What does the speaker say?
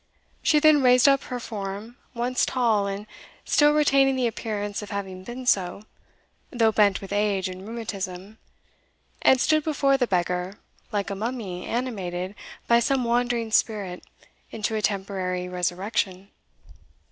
She then raised up her form, once tall, and still retaining the appearance of having been so, though bent with age and rheumatism, and stood before the beggar like a mummy animated by some wandering spirit into a temporary resurrection.